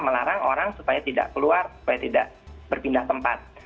melarang orang supaya tidak keluar supaya tidak berpindah tempat